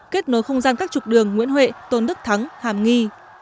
kết nối không gian các trục đường nguyễn huệ tôn đức thắng hàm nghi